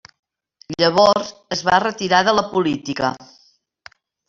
Llavors es va retirar de la política.